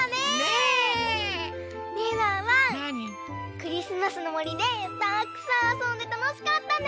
クリスマスのもりでたくさんあそんでたのしかったね！